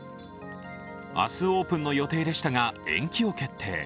明日オープンの予定でしたが、延期を決定。